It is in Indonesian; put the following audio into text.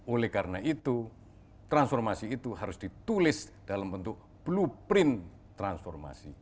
oleh karena itu transformasi itu harus ditulis dalam bentuk blueprint transformasi